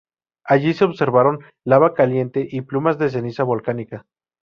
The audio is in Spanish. Allí se observaron lava caliente y plumas de ceniza volcánica.